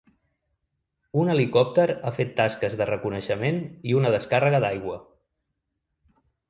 Un helicòpter ha fet tasques de reconeixement i una descàrrega d’aigua.